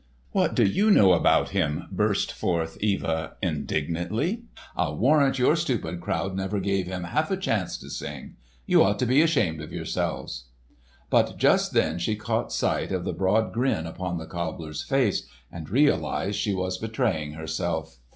"What do you know about him?" burst forth Eva indignantly. "I'll warrant your stupid crowd never gave him half a chance to sing. You ought to be ashamed of yourselves!" But just then she caught sight of the broad grin upon the cobbler's face and realised she was betraying herself.